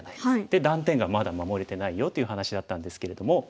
で断点がまだ守れてないよという話だったんですけれども。